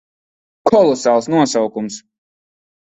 Kolosāls nosaukums.